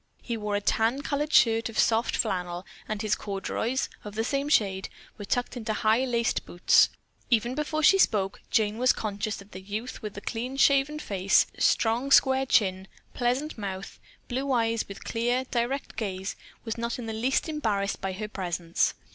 He wore a tan colored shirt of soft flannel, and his corduroys, of the same shade, were tucked into high, laced boots. Even before she spoke, Jane was conscious that the youth with the clean shaven face, strong square chin, pleasant mouth, blue eyes with clear, direct gaze was not in the least embarrassed by her presence.